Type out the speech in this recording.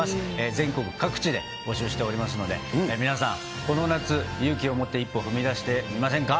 全国各地で募集しておりますので、皆さん、この夏、勇気を持って一歩踏み出してみませんか。